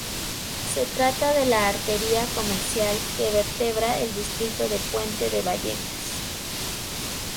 Se trata de la arteria comercial que vertebra el Distrito del Puente de Vallecas.